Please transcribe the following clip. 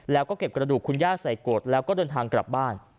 แล้วก็เก็บกระดูกคุณย่าใส่โกรธแล้วก็เดินทางกลับบ้าน